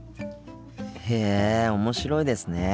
へえ面白いですね。